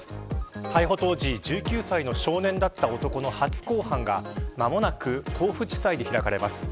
逮捕当時１９歳の少年だった男の初公判が間もなく甲府地裁で開かれます。